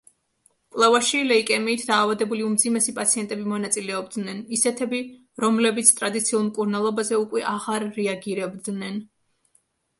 კვლევაში ლეიკემიით დაავადებული უმძიმესი პაციენტები მონაწილეობდნენ, ისეთები, რომლებიც ტრადიციულ მკურნალობაზე უკვე აღარ რეაგირებდნენ.